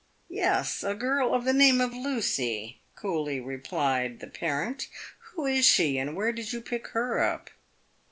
" Yes, a girl of the name of Lucy," coolly replied the parent. " "Who is she, and where did you pick her up